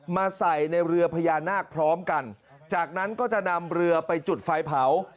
มาใส่ในเรือพญานาคพร้อมกันจากนั้นก็จะนำเรือไปจุดไฟเผา